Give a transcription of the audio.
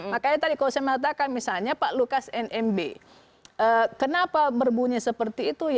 makanya tadi kalau saya mengatakan misalnya pak lukas nmb kenapa berbunyi seperti itu